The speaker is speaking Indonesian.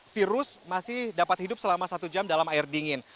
virus masih dapat hidup selama satu jam dalam air dingin